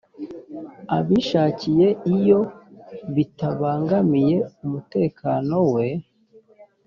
abishakiye iyo bitabangamiye umutekano we